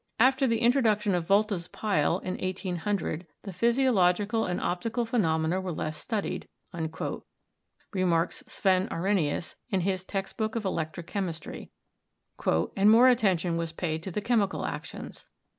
"After the introduction of Volta's pile (in 1800) the physiological and optical phenomena were less studied," remarks Sven Arrhenius in his 'Text Book of Electric Chemistry/ "and more attention was paid to the chemi cal actions.